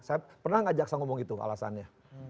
saya pernah nggak jaksa ngomong itu alasannya